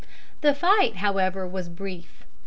The fight, however, was brief.